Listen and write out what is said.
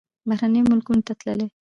بهرنیو ملکونو ته تللی.